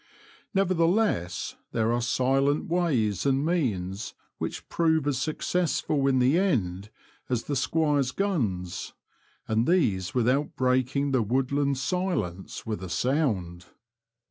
Nevertheless there are silent ways and means which prove as successful in the end as the squire's guns, and these without break ing the woodland silence with a sound.